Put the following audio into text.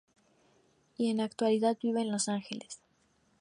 Y en la actualidad vive en Los Ángeles.